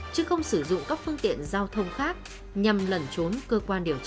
chứ không sử dụng các phương tiện giao thông khác nhằm lẩn trốn cơ quan điều tra